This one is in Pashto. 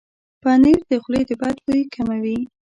پنېر د خولې د بد بوي کموي.